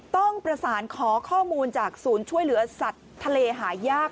ต้องประสานขอข้อมูลจากศูนย์ช่วยเหลือสัตว์ทะเลหายาก